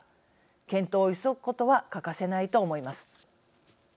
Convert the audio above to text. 検討を急ぐことは欠かせないと思います。